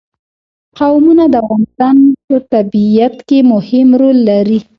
قومونه د افغانستان په طبیعت کې مهم رول لري.